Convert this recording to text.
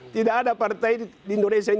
tidak ada partai di indonesia yang